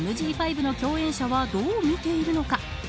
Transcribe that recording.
ＭＧ５の共演者はどう見ているのか。